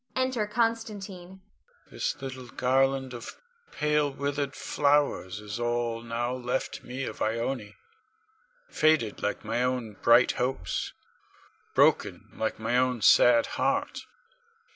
Enter_ Constantine.] Con. This little garland of pale, withered flowers is all now left me of Ione, faded like my own bright hopes, broken like my own sad heart.